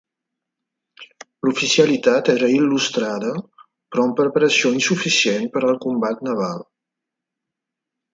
L'oficialitat era il·lustrada, però amb preparació insuficient per al combat naval.